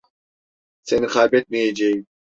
Seni kaybetmeyeceğim.